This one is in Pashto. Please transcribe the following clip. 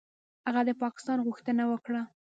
هغه د پاکستان غوښتنه وکړه.